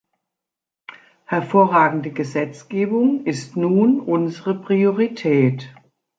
Hervorragende Gesetzgebung ist nun unsere Priorität.